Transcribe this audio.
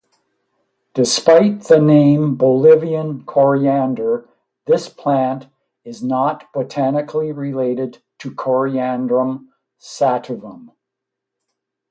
Despite the name "Bolivian coriander", this plant is not botanically related to Coriandrum sativum.